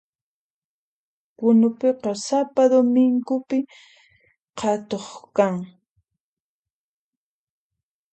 Punupiqa sapa domingopin qhatu kan